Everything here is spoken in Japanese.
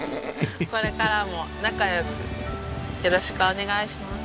これからも仲良くよろしくお願いします。